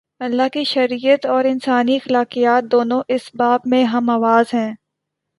اللہ کی شریعت اور انسانی اخلاقیات، دونوں اس باب میں ہم آواز ہیں۔